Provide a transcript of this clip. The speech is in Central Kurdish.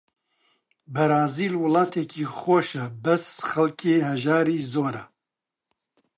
بەرازیل وڵاتێکی خۆشە، بەس خەڵکی هەژاری زۆرە